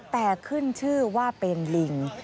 แต่ขึ้นชื่อว่าเป็นลิง